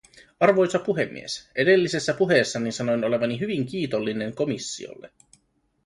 Arvoisa puhemies, edellisessä puheessani sanoin olevani hyvin kiitollinen komissiolle.